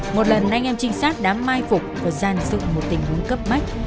một lần anh em trinh sát đã mai phục và gian dựng một tình huống cấp bách